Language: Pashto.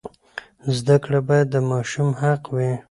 زده کړه باید د ماشوم حق وي.